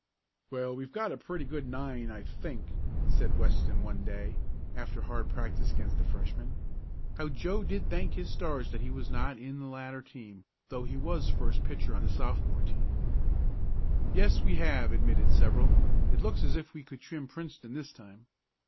"Well, we've got a pretty good nine, I think," said Weston one day, after hard practice against the Freshmen. How Joe did thank his stars that he was not in the latter team, though he was first pitcher on the Sophomore team. "Yes, we have," admitted several. "It looks as if we could trim Princeton this time."